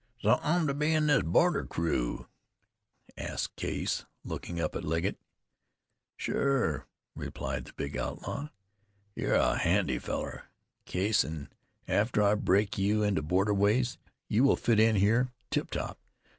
"So I'm to be in this border crew?" asked Case, looking up at Legget. "Sure," replied the big outlaw. "You're a handy fellar, Case, an' after I break you into border ways you will fit in here tip top.